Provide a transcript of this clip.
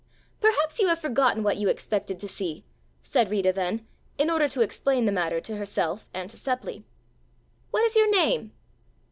"Perhaps you have forgotten what you expected to see," said Rita then, in order to explain the matter to herself and to Seppli. "What is your name?"